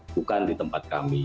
bukan di tempat kami